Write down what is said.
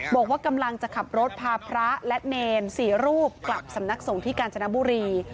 บอกว่ากำลังจะขับรถพาพระและเนร๔รูปกลับสำนักสงฆ์ที่กาญจนบุรี